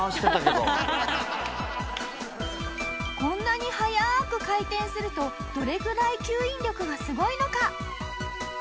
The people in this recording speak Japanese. こんなに速く回転するとどれぐらい吸引力がすごいのか？